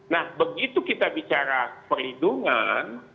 nah begitu kita bicara perlindungan